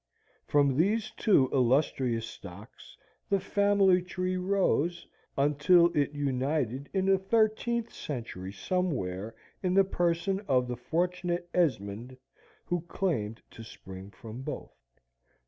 From these two illustrious stocks the family tree rose until it united in the thirteenth century somewhere in the person of the fortunate Esmond who claimed to spring from both.